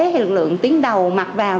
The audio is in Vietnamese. hay lực lượng tuyến đầu mặc vào